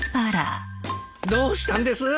どうしたんです？